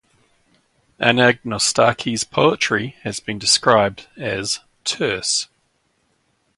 Anagnostakis' poetry has been described as "terse".